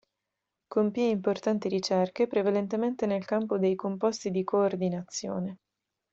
Compì importanti ricerche, prevalentemente nel campo dei composti di coordinazione.